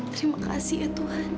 terima kasih ya tuhan